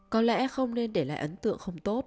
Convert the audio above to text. có lẽ không nên để lại ấn tượng không tốt